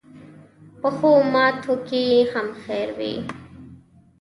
پخو ماتو کې هم خیر وي